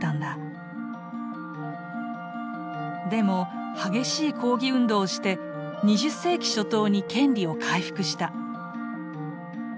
でも激しい抗議運動をして２０世紀初頭に権利を回復した。